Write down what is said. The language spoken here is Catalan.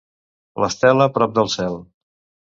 L'Estela, prop del cel.